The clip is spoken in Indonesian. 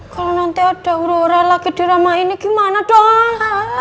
kalau nanti ada uraura lagi dirama ini gimana dong